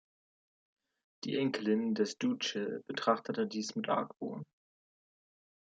Die Enkelin des Duce betrachtete dies mit Argwohn.